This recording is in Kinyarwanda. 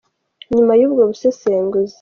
nyuma y’ubwo busesenguzi.